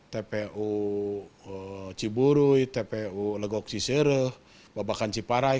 tpu ciburui tpu legok sisiruh babakan ciparai